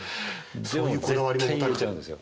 そういうこだわりも持たれちゃうんですよ。